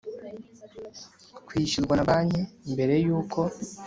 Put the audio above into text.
kwishyurwa na banki mbere y uko